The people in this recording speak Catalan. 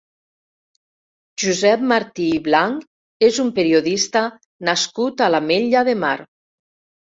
Josep Martí i Blanch és un periodista nascut a l'Ametlla de Mar.